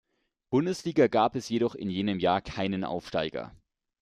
Bundesliga gab es jedoch in jenem Jahr keinen Aufsteiger.